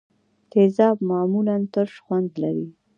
تیزاب معمولا ترش خوند لري.